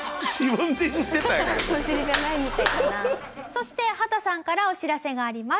そして畑さんからお知らせがあります。